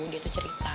dia tuh cerita